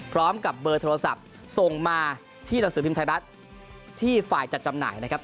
พร้อมกับเบอร์โทรศัพท์ส่งมาที่หนังสือพิมพ์ไทยรัฐที่ฝ่ายจัดจำหน่ายนะครับ